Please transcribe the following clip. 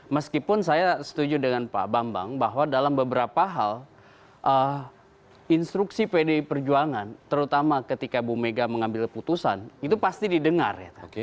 meskipun saya setuju dengan pak bambang bahwa dalam beberapa hal instruksi pdi perjuangan terutama ketika bu mega mengambil putusan itu pasti didengar ya